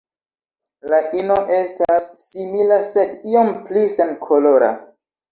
La ino estas simila sed iom pli senkolora.